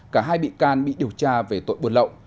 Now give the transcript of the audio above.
cả hai bị can bị điều tra về tội buôn lậu